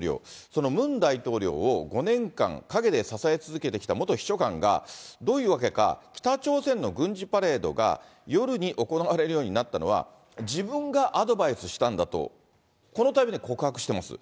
そのムン大統領を５年間、陰で支え続けてきた元秘書官が、どういうわけか北朝鮮の軍事パレードが夜に行われるようになったのは、自分がアドバイスしたんだと、このタイミングで告白しています。